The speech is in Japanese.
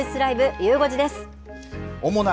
ゆう５時です。